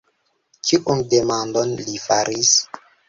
Kiun demandon li faris?